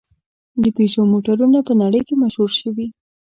د پيژو موټرونه په نړۍ کې مشهور شوي.